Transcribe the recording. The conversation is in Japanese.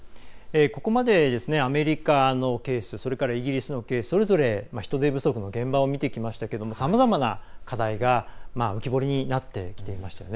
ここまで、アメリカのケースそれからイギリスのケースそれぞれ、人手不足の現場を見てきましたがさまざまな課題が浮き彫りになってきていましたね。